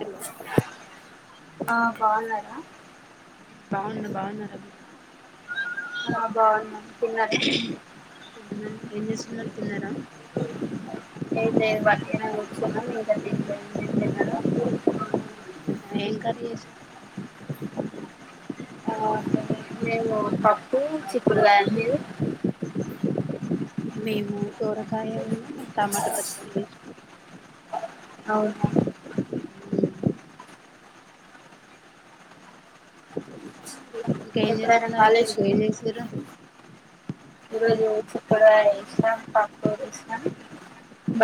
Hello ఆ బాగున్నార బాగున్న బాగున్నారా మీరు ఆ బాగున్న తిన్నారా తిన్నాం ఏం చేస్తున్నారు తిన్నారా స ఏం లే వట్టినే కూర్చున్నా ఇంక తినలేదు మీరు తిన్నారా ఏం కర్రీ చేశావు ఆ నేను పప్పు, చిక్కుడుకాయి మీరు మేము సోరకాయ ఉన్నా టమాటా పచ్చడి చేసిన అవునా ఇంకేం ఎప్పుడైనా చేస్తున్నారు కాలేజ్ ఈరోజు ఏన్ చేసిరా ఈ చిక్కుడుకాయ చేసిన పప్పు చేసిన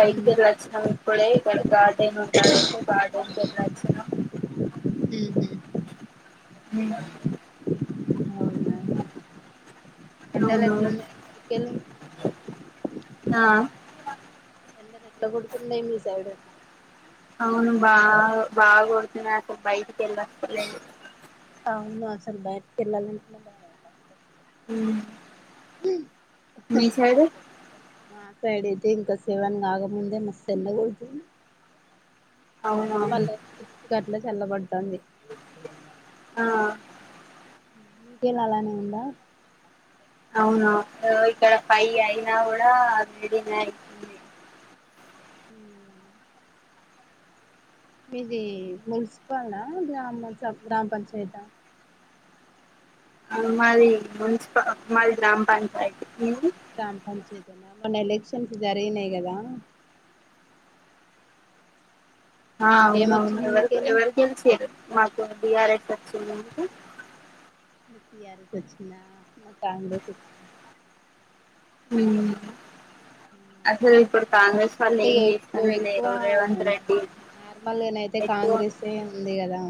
బైటికి వెలొచ్చినాము ఇప్పుడే ఇక్కడ గార్డెన్ ఉంటది అయితే గార్డెన్ తిరలొచ్చినా ఉహు ఉహు అవునా ఎండలు అవును ఎట్లున్నాయి ఇంటికి వెళ్ళు ఆ ఎండాలెట్ల కొడుతున్నాయి మీసైడు అవును బాగా బాగా కొడతనక బయటికి ఎల్లేస్తలేదు అవును అసలు బయటికి వెళ్లాలంటేనే భయమయితా మీ సైడ్ మా సైడ్ అయితే ఇంకా సేవన్ కాకముందే మస్తు ఎన్న కొడుతు మళ్ళ అవునవును సిక్స్ అట్లా చల్లబడుతంది ఆ మీకేల్లాలని ఉందా అవును ఒ ఇక్కడ ఫై అయినా కూడా వెడినే అయితుంది ఉమ్ మీది మున్సిపల్ గ్రామ స గ్రామ పంచాయత మాది మున్సిప మాది గ్రామ పంచాయాతి గ్రామ పంచయతీనా మొన్న ఎలక్షన్స్ జరిగినాయ్ కదా ఆ అవునువును ఏమొచ్చింది ఎవరి మీకెళ్ళి ఎవరిగెలి సేరు మాకు బి ఆర్ ఎస్ వచ్చింది మీకు బి ఆర్ ఎస్ వచ్చిందా మా కాంగ్రస్ వచ్చింది ఉమ్ అసలు ఇప్పుడు కాంగ్రెస్ వాళ్ళు అంటే ఏం ఇప్పుడు చేస్తనే ఎక్కువ లేరు రేవంత్ రెడ్డి నార్మల్గానయితే ఎక్కువ కాంగ్రెస్ ఎ ఉంది కదా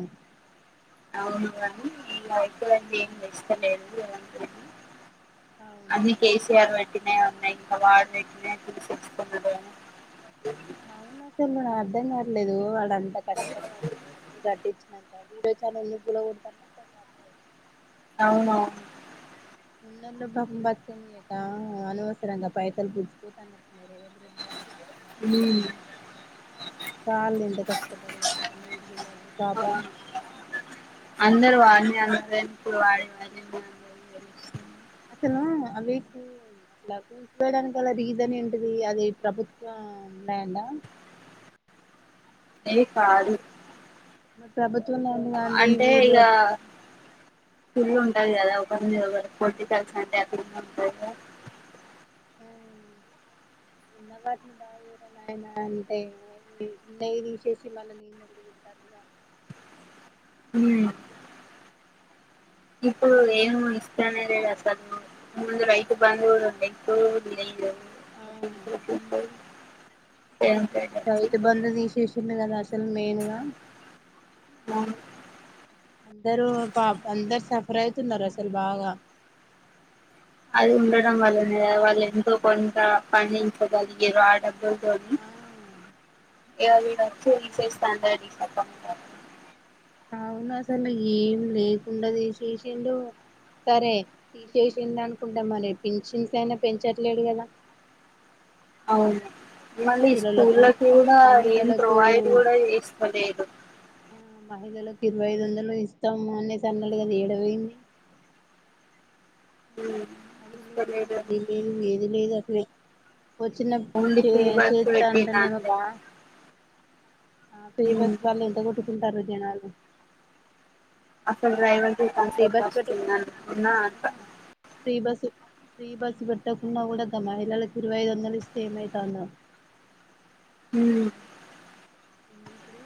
అవును గని [unintelligible] అన్ని అవునవును కేసీఆర్ వ న్నాయన్న ఇంకా వాడ్ పెట్టినాయి తిని సస్తున్నాడు గని అవున సందన అర్థం కర్లేదు వాడంత కష్టపడి అన్నీ కట్టించినం అ విడిో చనల్ ను ఎందుకు కులాగోడుతండో అర్ధం కావట్లేదు అవున అవును ఉన్నలో బ బతికనియక అనవసరంగా పైసలు పుడ్చ్చిపోతానా న్నాయి రేవంత్ రెడ్డి డైతే వాళ్ళు ఎంత కష్టపడి కట్టుకున్న ఇల్లు లవి పాపం అంద [unintelligible] సన అవేకు అట్లా కూసోడానికి అల్ల రీజన్ ఏంటిది అది ప్రభుత్వం ల్యాండా ఏ కాదు మరి ప్రభుత్వం ల్యాండ్ కాంధీ అంటే వీలు ఇక కుళ్ళు ఉంటది కదా ఒకరి మీద ఒగరికి పొలిటికల్స్ అంటే అక్కడున్నా ఉంటందిగా ఉన్న వాటిని బాగా చేయిరా నాయన అంటే ఉన్నాయ్ తీసేసి మళ్ళ లేందోకటి పెడుతాండు ఇగ ఉమ్ ఇప్పుడు ఏం ఇష్టనేలేడు అసలు ముడుందులు రైతు బందు గూడ ఉండే ఇప్పుడు లేదు ఆ [inaudible] రేవంత్ రెడ్డి వచ్చి రైతు బంధు తీసేసిండు కదా అసలు మెయిన్గా అవును అందరు పాప అందరు సఫర్ అయితున్నారు అసలు బాగా అది ఉండడం వల్లనే కదా వాళ్ళు ఎంతో కొంత పండించగలిగిరు ఆడబ్లు తోని ఆ ఇగ వెడచ్చి తీసేస్తాండా [unintelligible] అవును అసలు ఏం లేకుండా చేసేసిండు సరే తీసేసిండు అనుకుంటే మరి పించిన్స్ అయినా పెంచట్లేడు కదా [inaudible] అవును మళ్ళీ ముసలోళ్ళకు స్కూళ్ళకి కూడా ఏం మహిళలకు ప్రొవైడ్ కూడా చేస్తలేదు ఆ మహిళలకు ఇరవై ఐదు వందలు ఇస్తాము అనేసి అన్నాడు కదా ఏడవైంది ఉమ్, అది లేదు ఇస్తలేదు ఇది లేదు ఏది లేదు అసలే వచ్చినప్పుడు ఓన్లీ చే ఫ్రీ బస్ చేస్తా పెట్టిండు అంటానేమో అంతే బా ఆ ఫ్రీ ఉమ్, బస్ వాళ్ల ఎంత కొట్టుకుంటారు జనాలు అసలు డ్రైవర్కి ఫ్రీ బస్ పెట్టకుండా ఆహా [unintelligible] ఫ్రీ బస్ పెట్టకున్న కూడా గా మహిళ కి ఇరువై ఐదువందాలు ఇస్తే ఏమైతందో ఉ ఉ ఇప్పుడు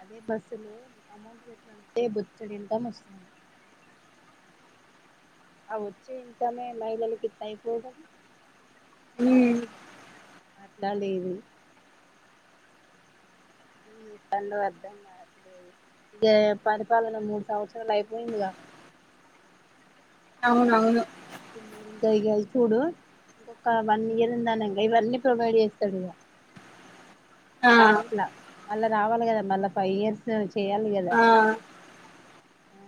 అదే బస్సులు అమౌంట్ పెట్టుంటే బొచ్చడి ఇన్ కమ్ వస్తుంది అ వచ్చే ఇన్ కమ్ మహిళలకి ఇత్తే ఐపోవుగా ఉమ్, అట్లా లేదు ఉ [unintelligible] అడు ఇక పరిపాలన మూడు సంవత్సరాలు అయిపోయిందిగా అవునవును [unintelligible] చుడు ఇంకొక వన్ ఇయర్ ఉందనంగా ఇవన్నీ ప్రొవైడ్ చేస్తాడు ఇగ ఆ లాస్ట్ లా మళ్ళా రావాలి కదా మళ్ళా ఫైవ్ ఇయర్స్ చేయాలి కదా ఆ ఆ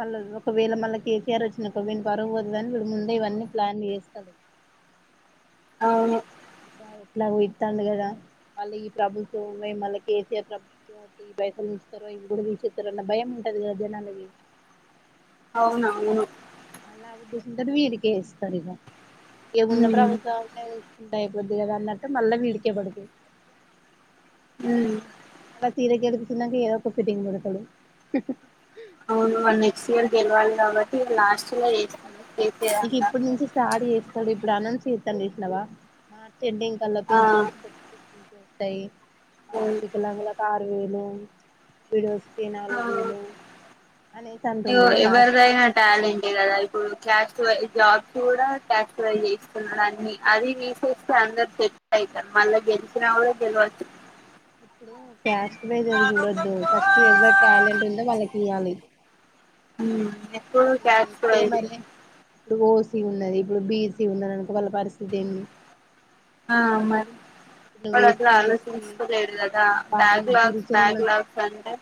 మళ్ళ ఒకవేళ మళ్ళీ కేసీఆర్ వచ్చినడనుకో విని పరువు పోదు ఇవన్న చూడు ముందే ఇవన్నీ ప్లాన్ చేస్తాడు అవును అబ్బా ఎట్లాగో ఇత్తండు కదా వాళ్ళ ఈ ప్రభుత్వం ఉన్నాయి కేసీఆర్ ప్రభుత్వం ఈ పైసలు ఇస్తారో ఇవి కూడా తీసేస్తారున్న భయం ఉంటది కదా జనాలకి అవునవును మాళ్లా ఉద్దేశంతో వీడికే ఏస్తారు ఇగా వున్న ఉమ్ ప్రభుత్వా ఉంటాయి కొద్దిగా కదా అన్నట్టు మళ్ళా విడికేబడతాయి ఉమ్ అలా తీర గెలిపించినంక ఏదఒక ఫిటింగ్ బెడతాడు అవును నెక్స్ట్ ఇయర్ గెలవాలి కాబట్టి ఇ లాస్ట్ లో చేస్తాడు ఇక ఇప్పుడు నుంచి స్టాట్ చేస్తాడు ఇప్పుడు అనౌన్స్ చేస్తాండు చుసినవా ఎండింగ్ కల్లా ఆ పించిన్ వస్తాయి ఆ అవును వికలంగులకు ఆరు వేలు విడో స్ కి నాలుగు వేలు అనేసి యో అంటుండు లాస్ట్ ఎవరువైన టాలెంట్ కదా ఇప్పుడు క్యాస్ట్ వైజ్ జాబ్స్ కూడా క్యాస్ట్ వైజ్ చేస్తున్నాడు అన్ని అది తీసేస్త అందరు సెట్ అయితారు మళ్ళీ గెలిచిన గెలవచ్చు ఇప్పుడు క్యాస్ట్ వైజ్ అది చూడొద్దు ఫస్ట్ ఎవరి టాలెంట్ ఉందో వాళ్ళకి ఇయ్యాలి హు ఎక్కువ క్యాస్ట్ ఇస్తే వైడే మరి ఇప్పుడు ఓసీ ఉన్నది ఇప్పుడు బీసీ ఉన్నది అనుకో వాళ్ళ పరిస్థితి ఏంది ఆ మరి నువ్వు వాడు అట్లా ఎస్సీ ఎస్టీ ఆలోచించకోలేదు కదా బ్యాక్ లాగ్స్ బ్యాక్ లాగ్స్ అంటే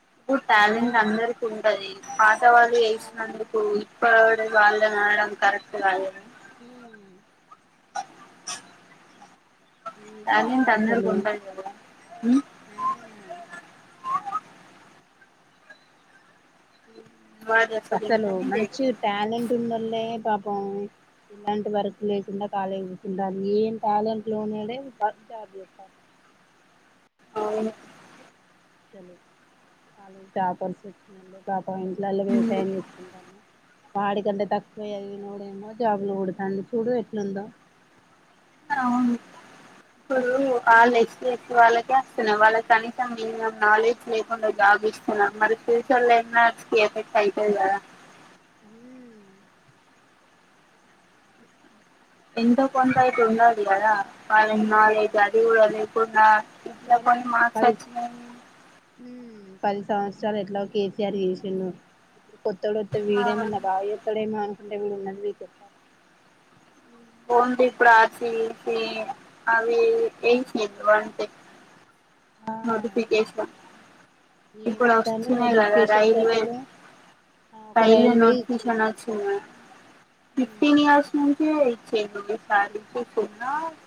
అ ఇప్పుడు టాలెంట్ అందరికి ఉంటది రాసే వాళ్ళు అవును వేసినందుకు [unintelligible] కరక్ట్ కాదు కదా హు ఏది లేదు టాలెంట్ అందరికీ అసలు ఉంటది కదా ఉ ఆ ఉ అసలు మంచి టాలెంట్ ఉన్నోళ్లే పాపం ఇలాంటి వర్క్ లేకుండా ఖాళీగా కూర్చుంటారు ఏం టాలెంట్ లోనేడే జాబ్ చేస్తాండు [inaudible] అవును కాలేజ్ టాపర్స్ వచ్చినోల్లే కొన్నింట్లోల ఉమ్ వ్యవసాయం చేసుకుంటారు వాడికింటే తక్కువ చదివినోడేమో జాబులు కొడతాండు చూడు ఎట్లుందో అవును ఇప్పుడు అల్లే సి వాళ్ళకే వస్తున్నాయి వాళ్ళకి కనీసం మినిమం నాలెడ్జ్ లేకుండా జాబ్ ఇస్తున్నాం మరి ఫ్యూచర్ లో ఎఫెక్ట్ అయితది కదా హామ్ ఎంతో కొంత అయితే ఉన్నది కదా వాళ్లకు ఆ నాలెడ్జ్ అది కూడా లేకుండా ఇట్లా సరే కొన్ని మార్క్స్ పది వచ్చినాయి పది సంవత్సరాలు ఎట్లాగు కేసీఆర్ చేసిండు కొత్తోడోస్తే ఆ వీడేమన్నా బాగు చేత్తడేమో టే వీడు ఉన్నది పీకేస్తాండు ఫోన్ షిప్ ఆర్సిబి అవి [unintelligible] [inaudible] నోటిఫికేషన్ ఇప్పుడు ఏమిత్తాండు వస్తున్నాయి కదా నోటిఫికేషన్స్ రైల్వే అసలు ఆ ఒక రైల్వే నోటిఫికేషన్ ఇచ్చిండు వచ్చింది మ్మ్ ఫిఫ్టీన్ ఇయర్స్ నుంచి ఇచ్చిండు కున్న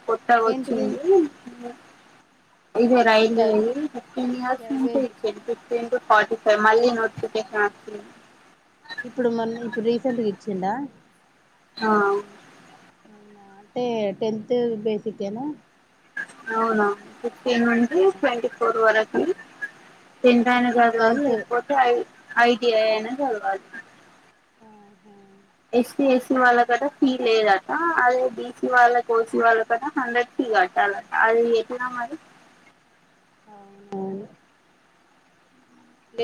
కొత్తగ ఏంటిది వచ్చింది ఇది రై రైల్వేది ఫిఫ్టీన్ ఇయర్స్ రైల్వే నుంచే ఇచ్చిండు ఫార్టీ ఫైవ్ మళ్ళీ నోటిఫికేషన్ వచ్చింది ఇప్పుడు మళ్ళ ఇప్పుడు రీసెంట్గా ఇచ్చిండా ఆ అవునా అంటే టెన్త్ బేసిక్ ఏనా అవునా ఫిఫ్టీన్ నుండి ట్వంటి ఫోర్ వరకు టెన్త్ ఐన చదవాలి టెన్త్ లేకపోతే ఐ ఐటిఐ అయినా చదవాలి ఆహా ఎస్సీ ఎస్టీ వాళ్లకట ఫీ లేదట అదే బీసీ వాళ్ళ కోసీ వాళ్ళ కట హండ్రెడ్ ఫీ కట్టాలట అది ఎట్నా మరి అవునవును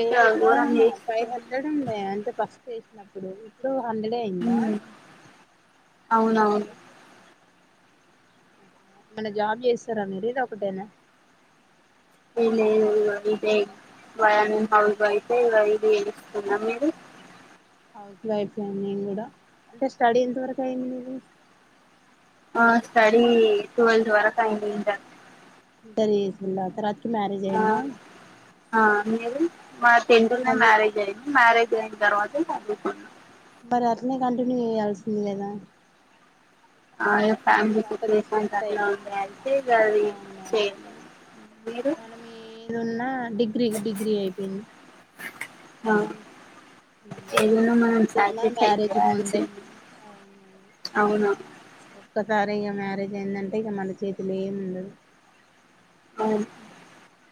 ఇంకా ఘోరం ఆహా ఫైవ్ చేస్తుంది హండ్రెడ్ ఉండే అంటే ఫస్ట్ వేసినప్పుడు ఇప్పుడు హండ్రెడే అయ్యిందా అవునవును ఏమన్నా జాబ్ చేస్తారా మీరు ఇది ఒకటేనా ఏ లేదు ఇదే నేను హౌస్ వైఫ్ ఏ ఇగ ఇది చేస్తున్న మీరు హౌస్ వైఫ్ నేను కూడా అంటే స్టడీ ఎంత వరకు అయింది నీది ఆ స్టడి ట్వల్త్ వరకు అయింది ఇంటర్ ఇంటర్ చేసిండ్రా తర్వాతకి మ్యారేజ్ అయిందా ఆ మీది మాది టెన్త్ లనే నాది మ్యారేజ్ అయింది మ్యారేజ్ అయిన తర్వాత చదుకుంన్న మరి అట్లనే కంటిన్యూ చేయయాల్సింది కదా ఆ ఇగ డిగ్రీ ఫ్యామిలీ దాకా సిట్యుయేషన్స్ తీసుకొస్తే అట్లా అయిపో ఉంటాయి అంటే ఇగ ఆది సేమ్ మనమేదున్న ఉన్నా డిగ్రీ డిగ్రీ అయిపోయింది ఆ ఏదున్న మనం ఏదున్నా సాక్రిఫైజ్ మ్యారేజ్ ముందే చేయాల్సిందే అవున ఇగ మ్యారేజ్ అయిందంటే ఇగ మన చేతుల్ల ఏముండదు [inaudible]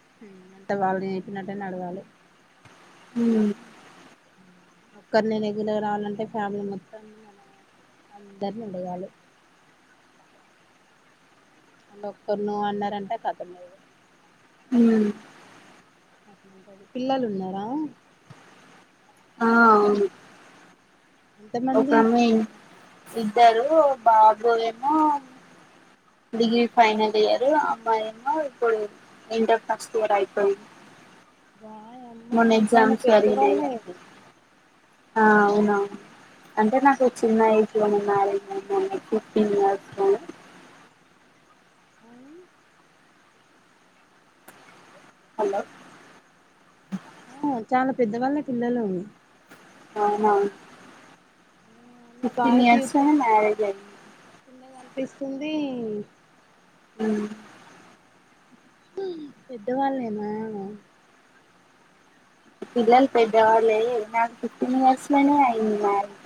అంతా వాళ్లు చేసినట్టే నడవాలె హ్మ్ ఒక్కరి నేనేగులర్ రావాలంటే ఫ్యామిలీ మొత్తం మనం అందరినడగాలే అండ్ ఒక్కరు నో అన్నారంటే కథమే ఇగ హ్మ్ పిల్లలు ఉన్నారా? ఆ అవును ఎంత మంది ఒకమే ఇద్దరు బాబు ఏమో డిగ్రీ ఫైనల్ ఇయర్ అమ్మాయిమో ఇప్పుడు ఇంటర్ ఫస్ట్ ఇయర్ అయిపోయింది. అ [inaudible] మొన్న ఎగ్జామ్స్ జరిగినాయిగా ఆ అవునా అంటే నాకు చిన్న ఏజ్ లో నే మ్యారేజ్ అయిందిన్నట్టు అండి ఫిఫ్టీన్ ఇయర్స్ లోనే హలో ఆ చాలా పెద్దవాళ్ళే పిల్లలు అవునా మీ ఫిఫ్టీన్ ఇయర్స్ అయింది మ్యారేజ్ అయి. కింద కనిపిస్తుంది. ఉమ్ ఆ పెద్దవాళ్ళేనా పిల్లలు పెద్దవాళ్లుఅయ్యిరు. నాకు ఫిఫ్టీన్ ఇయర్స్ లోనే అయింది. మ్యారేజ్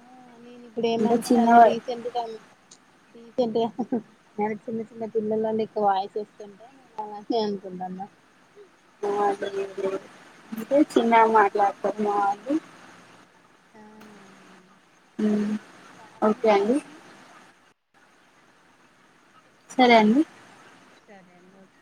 ఆ నేను ఇప్పుడు అంటే ఏమనుకున్నాను. చిన్నవా రీసెంట్గా చ్ రీసెంట్ గా నేను చిన్న చిన్న పిల్లల నిక్కు వాయిస్ ఇస్తుంటే నేను అలానే అనుకుంటానా. మ్ అంతే చిన్నగా మాట్లాడుతారు మా వాళ్ళు నయమే ఉమ్ అంతేండి. సరే అండి. సరే అండి ఒకే